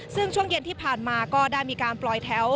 ซึ่งช่วงเย็นที่ผ่านมาก็ได้มีการปล่อยแถว